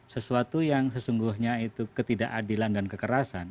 sesuatu yang sesungguhnya itu ketidakadilan dan kekerasan